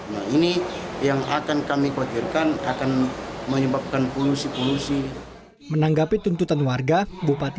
nah ini yang akan kami khawatirkan akan menyebabkan polusi polusi menanggapi tuntutan warga bupati